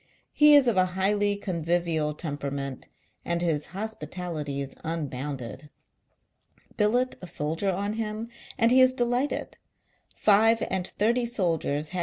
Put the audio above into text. He is of a highly convivial temperament, and his hospitality is un bounded. Billet a soldier on him, and he is delighted. Five aud thirty soldiers had M.